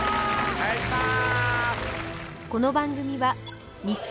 お願いします！